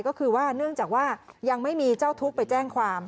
ก็คือว่าเนื่องจากว่ายังไม่มีเจ้าทุกข์ไปแจ้งความ